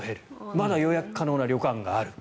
まだ予約可能な旅館がある。